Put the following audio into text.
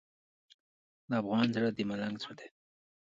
د افغان زړه د ملنګ زړه دی.